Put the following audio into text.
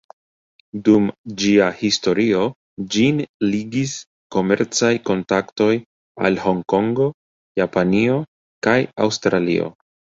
Dum ĝia historio, ĝin ligis komercaj kontaktoj al Hongkongo, Japanio kaj Aŭstralio.